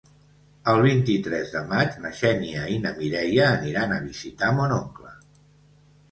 El vint-i-tres de maig na Xènia i na Mireia aniran a visitar mon oncle.